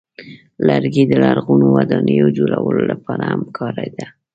لرګی د لرغونو ودانیو جوړولو لپاره هم کارېده.